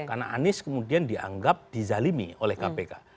karena anies kemudian dianggap dizalimi oleh kpk